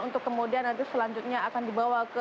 untuk kemudian nanti selanjutnya akan dibawa ke